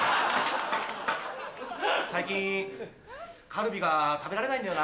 最近カルビが食べられないんだよな。